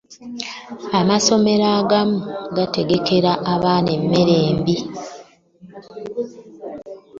Amasomero agamu gategekera abaana emmere embi